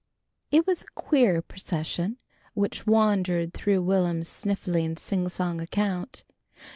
It was a queer procession which wandered through Will'm's sniffling, sing song account.